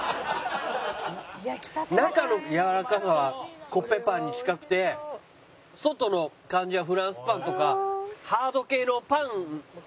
中のやわらかさはコッペパンに近くて外の感じはフランスパンとかハード系のパンの感じだ。